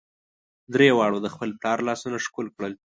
درې واړو د خپل پلار لاسونه ښکل کړل.